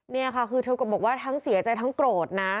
นี่ค่ะคือเธอก็บอกว่าทั้งเสียใจทั้งโกรธนะ